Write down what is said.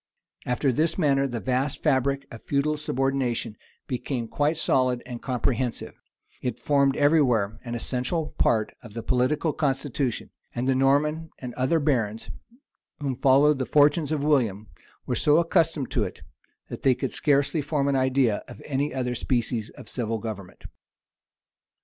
After this manner the vast fabric of feudal subordination became quite solid and comprehensive; it formed every where an essential part of the political constitution; and the Norman and other barons, who followed the fortunes of William, were so accustomed to it, that they could scarcely form an idea of any other species of civil government.